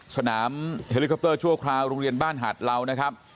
สนามเฮลิคอปเตอร์ชั่วคราวโรงเรียนบ้านหาดเหลานะครับ